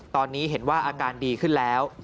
ตอนนี้เห็นว่าอาการดีขึ้นแล้ว